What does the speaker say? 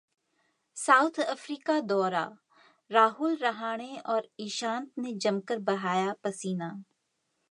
south Africa दौरा: राहुल-रहाणे और ईशांत ने जमकर बहाया पसीना